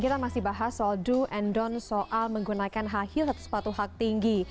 kita masih bahas soal do and don soal menggunakan high heel atau sepatu hak tinggi